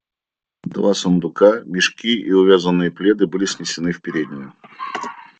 Два сундука, мешки и увязанные пледы были снесены в переднюю.